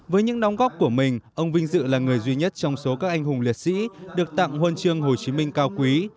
với những đóng góp của mình ông vinh dự là người duy nhất trong số các anh hùng liệt sĩ được tặng huân chương hồ chí minh cao quý